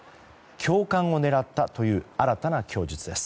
教官を狙ったという新たな供述です。